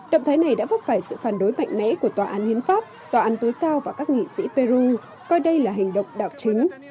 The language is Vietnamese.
động thái này đã vấp phải sự phản đối mạnh mẽ của tòa án hiến pháp tòa án tối cao và các nghị sĩ peru coi đây là hành động đảo chính